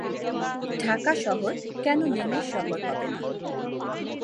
ঢাকা শহর কেন নিমের শহর হবে না?